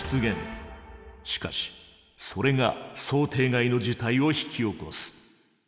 しかしそれが想定外の事態を引き起こす。